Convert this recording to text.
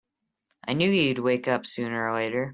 I knew you'd wake up sooner or later!